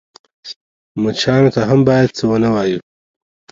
_مچانو ته هم بايد څه ونه وايو.